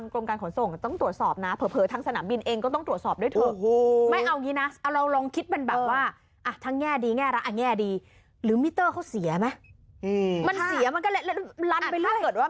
ปกติผู้โดยสารเคยขึ้นมาเท่าไหร่คะ